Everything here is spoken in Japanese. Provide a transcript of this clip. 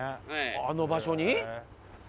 あの場所に？